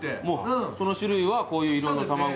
もうその種類はこういう色の卵。